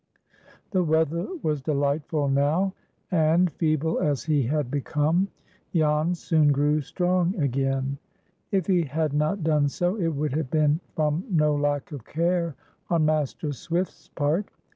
The weather was delightful now, and, feeble as he had become, Jan soon grew strong again. If he had not done so, it would have been from no lack of care on Master Swift's part.